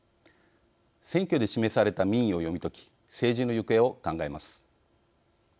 選挙で示された民意を読み解き政治の行方を考えます。